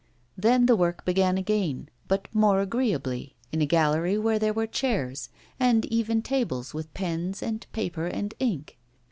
Then the work began again, but more agreeably, in a gallery where there were chairs, and even tables with pens and paper and ink.